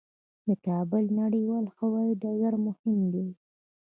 د کابل نړیوال هوايي ډګر مهم دی